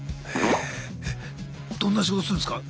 えどんな仕事するんすか？